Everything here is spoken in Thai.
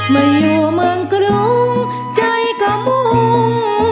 มาอยู่เมืองกรุงใจก็มุ่ง